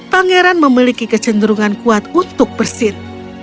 pangeran memiliki kecenderungan kuat untuk bersin